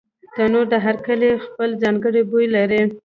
تنور د هر کلي خپل ځانګړی بوی لري